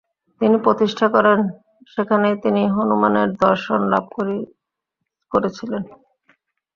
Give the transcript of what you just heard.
তিনি প্রতিষ্ঠা করেন, সেখানেই তিনি হনুমানের দর্শন লাভ করেছিলেন।